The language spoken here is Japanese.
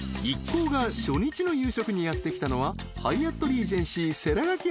［一行が初日の夕食にやって来たのはハイアットリージェンシー瀬良垣